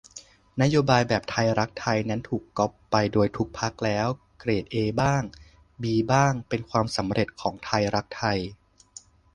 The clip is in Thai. นโยบายแบบไทยรักไทยนั้นถูกก๊อปไปโดยทุกพรรคแล้ว เกรดเอบ้าง บีบ้าง เป็นความสำเร็จของไทยรักไทย